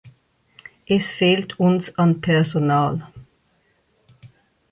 Es fehlt uns an Personal.